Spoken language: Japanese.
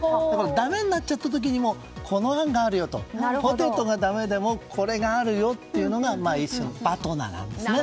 だめになった時にもこの案があるよとポテトがだめでもこれがあるよというのが一種のＢＡＴＮＡなんですね。